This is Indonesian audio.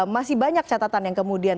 masih banyak catatan yang kemudian